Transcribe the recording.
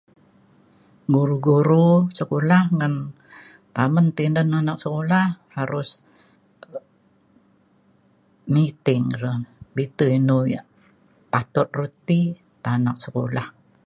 guru-guru sekolah ngan tamen tinen anak sekolah harus niting re bitu inu ya' patut ru ti ta anak sekolah.